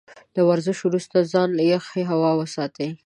له ورزش وروسته ځان له يخې هوا وساتئ.